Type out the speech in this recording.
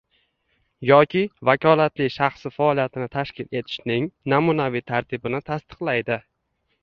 yoki vakolatli shaxsi faoliyatini tashkil etishning namunaviy tartibini tasdiqlaydi;